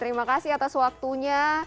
terima kasih atas waktunya